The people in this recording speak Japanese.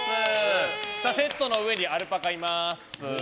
セットの上にアルパカいます。